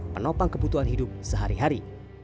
penopang kebutuhan hidup sehari hari